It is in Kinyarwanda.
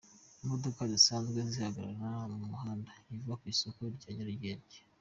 Imodoka zisanzwe zihagarara mu muhanda uva ku isoko rya Nyarugenge.